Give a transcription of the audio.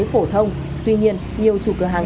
phổ thông tuy nhiên nhiều chủ cửa hàng